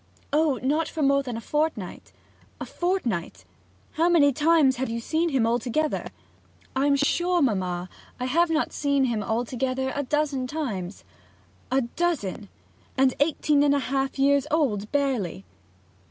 'Oh not for more than a fortnight.' 'A fortnight! How many times have ye seen him altogether?' 'I'm sure, mamma, I've not seen him altogether a dozen times.' 'A dozen! And eighteen and a half years old barely!'